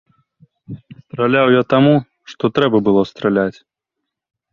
Страляў я таму, што трэба было страляць.